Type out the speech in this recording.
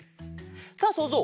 さあそうぞう！